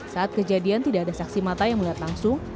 saat kejadian tidak ada saksi mata yang melihat langsung